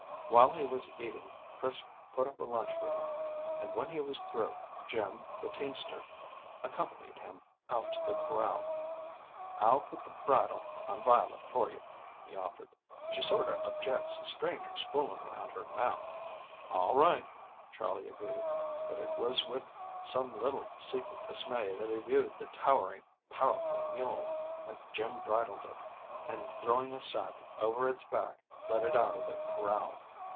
While he was eating Chris put up a lunch for him, and, when he was through, Jim, the teamster, accompanied him out to the corral. "I'll put the bridle on Violet for you," he offered. "She sorter objects to strangers fooling around her mouth." "All right," Charley agreed, but it was with some little secret dismay that he viewed the towering, powerful mule, as Jim bridled it, and, throwing a sack over its back, led it out of the corral.